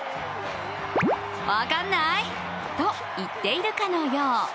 分かんない？と言っているかのよう。